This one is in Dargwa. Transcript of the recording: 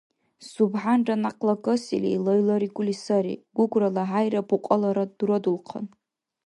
СубхӀянра някъла касили, лайларикӀули сари, Гугра, ЛахӀяйра пукьаларад дурадулхъан.